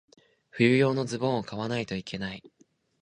冬用のズボンを買わないといけない。